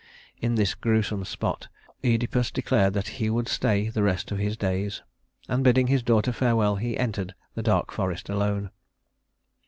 In this grewsome spot Œdipus declared that he would stay the rest of his days; and bidding his daughter farewell, he entered the dark forest alone.